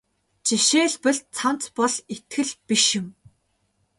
Жишээлбэл цамц бол итгэл биш юм.